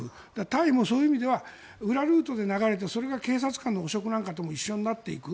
タイもそういう意味では裏ルートで流れてそれが警察官の汚職なんかと一緒になっていく。